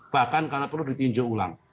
bahkan karena perlu ditinjau ulang